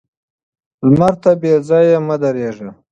لمر ته بې ځايه مه درېږه